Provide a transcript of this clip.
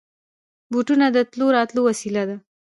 بوټونه د تلو راتلو وسېله ده.